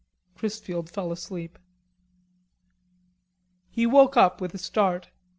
Chrisfield fell asleep. He woke up with a start.